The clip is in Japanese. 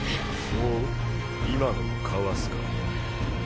ほう今のをかわすか。